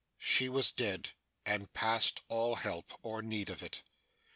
She was dead, and past all help, or need of it.